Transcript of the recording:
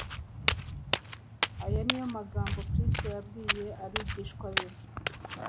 Aya niyo magambo Kristo yabwiye abigishwa be